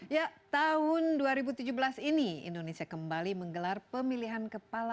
ya tahun dua ribu tujuh belas ini indonesia kembali menggelar pemilihan kepala